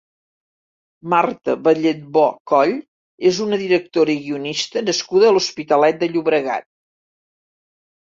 Marta Balletbò-Coll és una directora i guionista nascuda a l'Hospitalet de Llobregat.